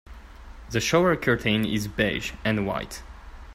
The shower curtain is beige and white.